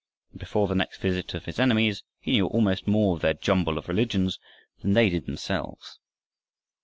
And before the next visit of his enemies he knew almost more of their jumble of religions than they did themselves.